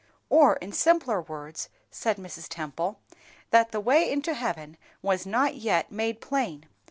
_" "Or, in simpler words," said Mrs. Temple, "that the way into heaven was not yet made plain.